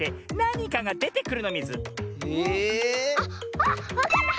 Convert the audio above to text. ⁉あっあっわかった！